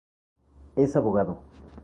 Es abogado.